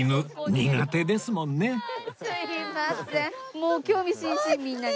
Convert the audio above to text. もう興味津々みんなに。